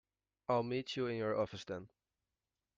I'll meet you in your office then.